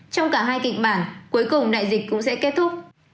trong cả hai kịch bản cuối cùng đại dịch cũng sẽ kết thúc